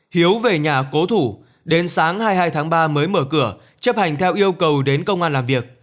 hiếu về nhà cố thủ đến sáng hai mươi hai tháng ba mới mở cửa chấp hành theo yêu cầu đến công an làm việc